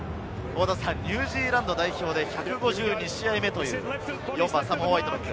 ニュージーランド代表で１５２試合目、４番のサム・ホワイトロック。